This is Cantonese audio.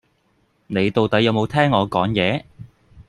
你到底有無聽我講野？